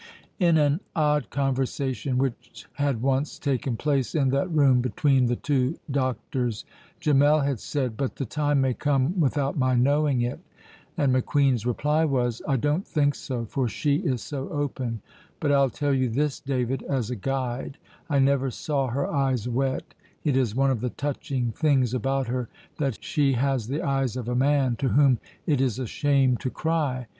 In an odd conversation which had once taken place in that room between the two doctors, Gemmell had said: "But the time may come without my knowing it." And McQueen's reply was: "I don't think so, for she is so open; but I'll tell you this, David, as a guide. I never saw her eyes wet. It is one of the touching things about her that she has the eyes of a man, to whom it is a shame to cry.